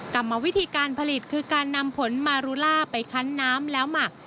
กรรมวิธีการผลิตคือการนำผลมารูล่าไปคั้นน้ำแล้วหมัก